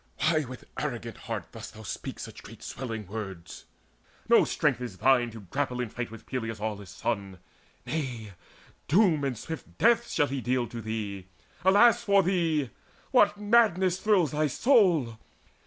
why with arrogant heart dost thou Speak such great swelling words? No strength is thine To grapple in fight with Peleus' aweless son. Nay, doom and swift death shall he deal to thee. Alas for thee! What madness thrills thy soul?